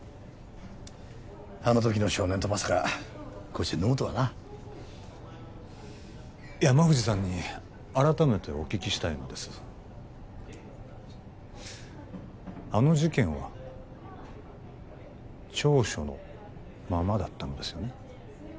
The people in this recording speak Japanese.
あの時の少年とまさかこうして飲むとはな山藤さんに改めてお聞きしたいのですあの事件は調書のままだったのですよね？